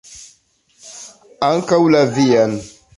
Ankaŭ la vian!